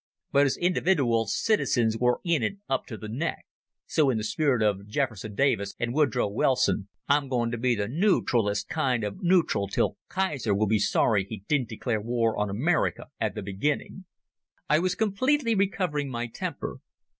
But as individooal citizens we're in it up to the neck. So, in the spirit of Jefferson Davis and Woodrow Wilson, I'm going to be the nootralist kind of nootral till Kaiser will be sorry he didn't declare war on America at the beginning." I was completely recovering my temper.